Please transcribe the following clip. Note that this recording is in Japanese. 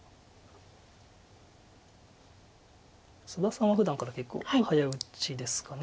佐田さんはふだんから結構早打ちですかね。